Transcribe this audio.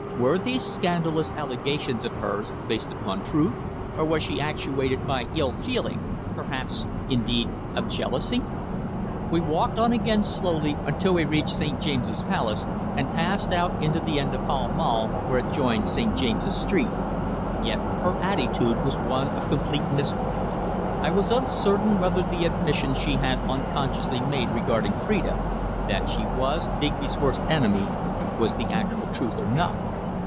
Were these scandalous allegations of hers based upon truth, or was she actuated by ill feeling, perhaps, indeed, of jealousy? We walked on again slowly until we reached St. James's Palace, and passed out into the end of Pall Mall, where it joined St. James's Street. Yet her attitude was one of complete mystery. I was uncertain whether the admission she had so unconsciously made regarding Phrida that she was Digby's worst enemy was the actual truth or not.